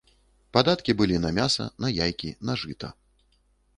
Падаткі былі на мяса, на яйкі, на жыта.